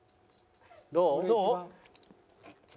どう？